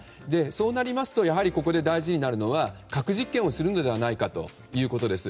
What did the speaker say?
そうなりますとここで大事になるのは核実験をするのではないかということです。